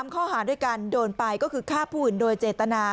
ข้อหาด้วยการโดนไปก็คือฆ่าผู้อื่นโดยเจตนา